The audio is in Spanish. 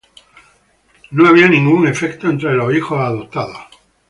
No había ningún efecto entre los hijos adoptados.